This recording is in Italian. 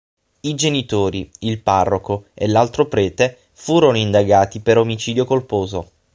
I genitori, il parroco e l'altro prete furono indagati per omicidio colposo.